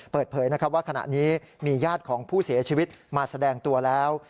เปิดเผยนะครับว่าขณะนี้มีญาติของผู้เสียชีวิตมาแสดงตัวแล้ว